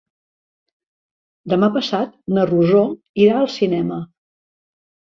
Demà passat na Rosó irà al cinema.